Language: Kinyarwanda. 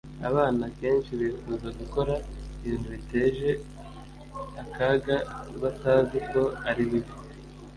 abana akenshi bifuza gukora ibintu biteje akaga batazi ko ari bibi